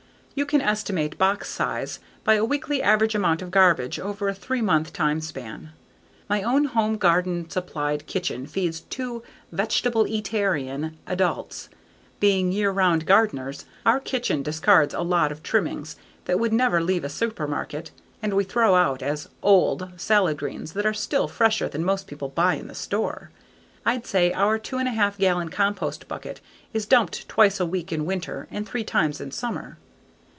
You can estimate box size by a weekly average amount of garbage over a three month time span. My own home garden supplied kitchen feeds two "vegetableatarian" adults. Being year round gardeners, our kitchen discards a lot of trimmings that would never leave a supermarket and we throw out as "old," salad greens that are still fresher than most people buy in the store. I'd say our 2 1/2 gallon compost bucket is dumped twice a week in winter and three times in summer.